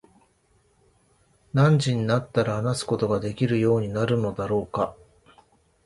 何時になったら話すことができるようになるのだろうか。